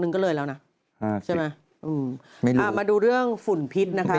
อืมมาดูเรื่องฝุ่นพิษนะคะ